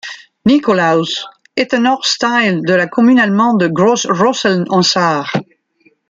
Nikolaus est un ortsteil de la commune allemande de Großrosseln en Sarre.